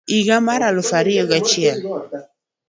higa mar aluf ariyo gi auchiel